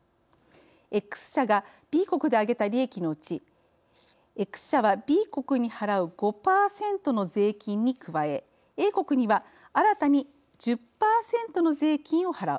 Ｘ社がＢ国であげた利益のうちＸ社はＢ国に払う５％の税金に加えＡ国には新たに１０％の税金を払う。